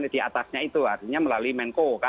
di atasnya itu artinya melalui menko